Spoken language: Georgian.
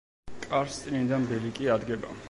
კარს წინიდან ბილიკი ადგება.